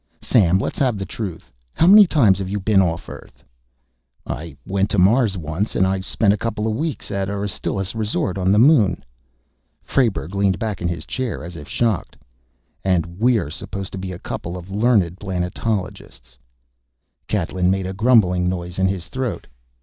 "Sam, let's have the truth. How many times have you been off Earth?" "I went to Mars once. And I spent a couple of weeks at Aristillus Resort on the Moon." Frayberg leaned back in his chair as if shocked. "And we're supposed to be a couple of learned planetologists!" Catlin made grumbling noise in his throat.